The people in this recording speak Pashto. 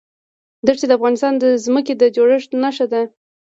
دښتې د افغانستان د ځمکې د جوړښت نښه ده.